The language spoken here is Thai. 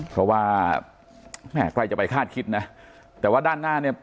เพราะว่าแม่ใกล้จะไปคาดคิดนะแต่ว่าด้านหน้าเนี่ย